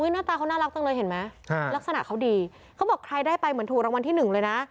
หน้าตาเขาน่ารักจังเลยเห็นไหมลักษณะเขาดีเขาบอกใครได้ไปเหมือนถูกรางวัลที่หนึ่งเลยนะ